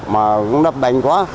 mà cũng đắp đánh quá